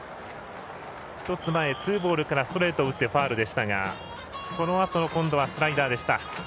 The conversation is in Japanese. １つ前、ツーボールからストレートを打ってファウルでしたが、そのあとの今度はスライダーでした。